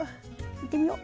いってみよう。